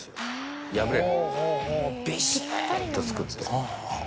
ビシっと作ってる。